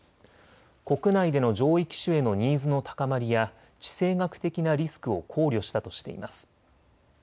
国内での上位機種へのニーズの高まりや地政学的なリスクを考慮したとしています。